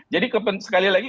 jadi sekali lagi